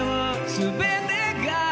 「全てが」